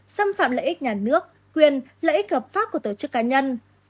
xâm phạm lợi ích nhà nước quyền lợi ích hợp pháp của tổ chức cá nhân